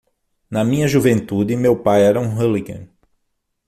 Na minha juventude, meu pai era um hooligan.